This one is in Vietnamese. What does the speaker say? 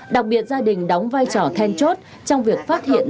đặc biệt gia đình đóng vai trò then chốt trong việc phát hiện